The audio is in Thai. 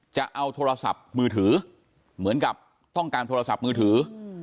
จะเอาโทรศัพท์มือถือเหมือนกับต้องการโทรศัพท์มือถือ